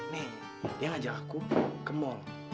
nih dia ngajak aku ke mall